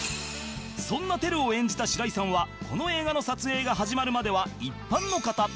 そんなテルを演じた白井さんはこの映画の撮影が始まるまでは一般の方